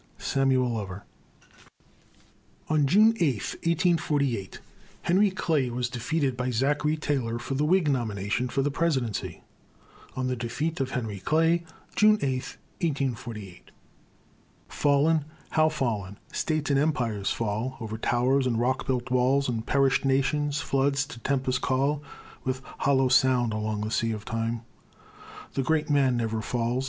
SAMUEL LOVER. On June 8, 1848, Henry Clay was defeated by Zachary Taylor for the Whig nomination for the presidency. ON THE DEFEAT OF HENRY CLAY [June 8, 1848] Fallen? How fallen? States and empires fall; O'er towers and rock built walls, And perished nations, floods to tempests call With hollow sound along the sea of time: The great man never falls.